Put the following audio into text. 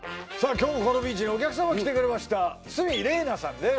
今日もこのビーチにお客様来てくれました鷲見玲奈さんです